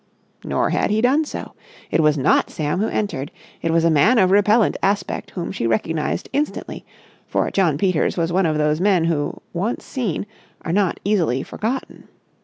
Nor had he done so. It was not Sam who entered. It was a man of repellent aspect whom she recognised instantly, for Jno. Peters was one of those men who, once seen, are not easily forgotten.